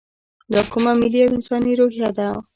دا کومه ملي او انساني روحیه وه.